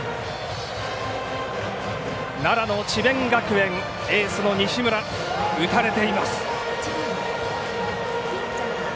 奈良の智弁学園エースの西村打たれています。